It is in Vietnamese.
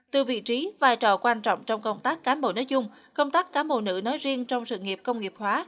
từ vị trí vai trò quan trọng trong công tác cán bộ nói chung công tác cán bộ nữ nói riêng trong sự nghiệp công nghiệp hóa